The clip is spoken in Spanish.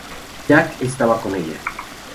Jack estaba con ella.